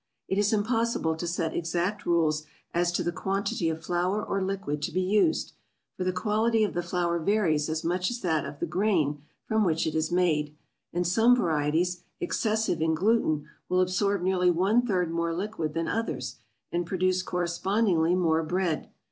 It is impossible to set exact rules as to the quantity of flour or liquid to be used, for the quality of the flour varies as much as that of the grain from which it is made; and some varieties, excessive in gluten, will absorb nearly one third more liquid than others, and produce correspondingly more bread.